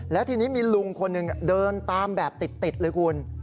แล้วทีนี้มีลุงคนหนึ่งเดินตามแบบติดเลยคุณ